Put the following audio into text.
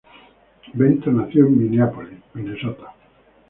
Benton nació en Minneapolis, Minnesota.